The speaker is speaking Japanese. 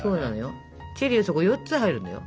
チェリーはそこ４つ入るんだよ。